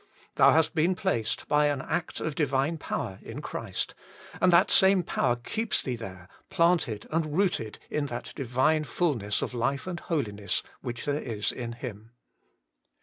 Thou hast been placed, by an act of Divine Power, in Christ, and that same Power keeps thee there, planted and rooted in that Divine fulness of life and holiness which there is in Him.